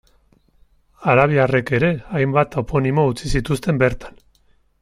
Arabiarrek ere hainbat toponimo utzi zituzten bertan.